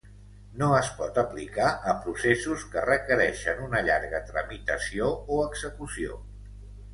No es pot aplicar a processos que requereixen una llarga tramitació o execució.